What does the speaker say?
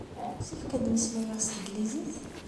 Yessefk ad mmeslayeɣ s teglizit?